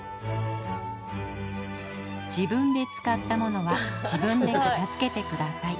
「自分で使った物は自分で片付けてください」。